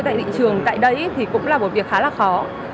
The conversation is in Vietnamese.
tại thị trường tại đây thì cũng là một việc khá là khó